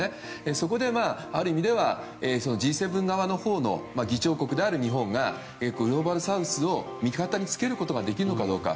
そこで、ある意味ではＧ７側のほうの議長国である日本がグローバルサウスを味方につけることができるのかどうか。